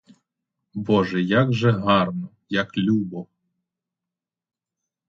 Боже, як же гарно, як любо!